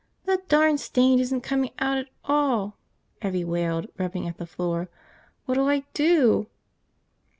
.. "The darn stain isn't coming out at all!" Evvie wailed, rubbing at the floor. "What'll I do?"